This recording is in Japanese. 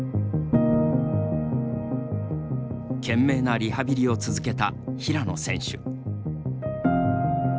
懸命なリハビリを続けた平野選手。